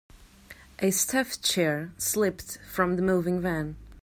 A stuffed chair slipped from the moving van.